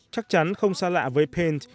chắc chắn không xa lạ với paint